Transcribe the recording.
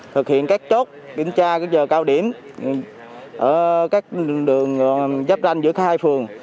thực hiện các chốt kiểm tra giờ cao điểm ở các đường dắp ranh giữa hai phường